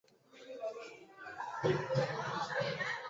书法是中国艺术的重要组成部份。